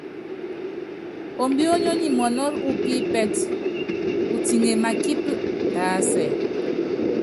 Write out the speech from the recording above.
Ombiónyó nyi mɔnɔ́ upípɛtɛ, utiŋe makípi tásɛ.